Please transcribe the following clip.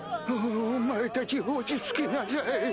おお前たち落ち着きなさい。